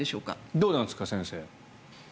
どうなんですか、先生。